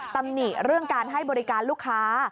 ตำหนิเรื่องการให้บริการลูกค้า